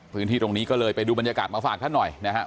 พื้นที่ตรงนี้ก็เลยไปดูบรรยากาศมาฝากท่านหน่อยนะครับ